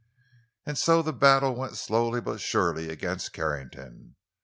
And so the battle went slowly but surely against Carrington.